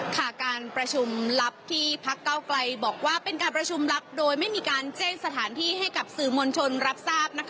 การประชุมลับที่พักเก้าไกลบอกว่าเป็นการประชุมลับโดยไม่มีการแจ้งสถานที่ให้กับสื่อมวลชนรับทราบนะคะ